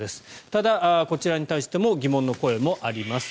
ただ、こちらに対しても疑問の声もあります。